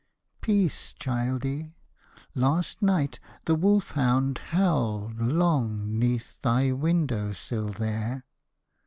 '' Peace, childie 1 last night the wolf hound howled long 'neath thy window sill there.'